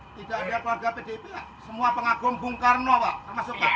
tidak ada keluarga pdp semua pengagum bung karno pak